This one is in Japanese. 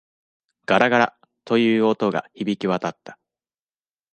ガラガラ、という音が響き渡った。